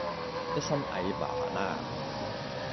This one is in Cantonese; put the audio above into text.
一身蟻麻煩啦